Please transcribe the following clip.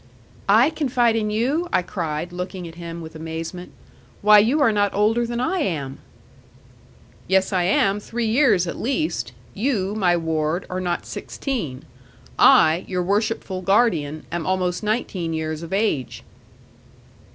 '"I confide in you!" I cried, looking at him with amazement; "why, you are not older than I am!" '"Yes I am, three years at least. You, my ward, are not sixteen. I, your worshipful guardian, am almost nineteen years of age."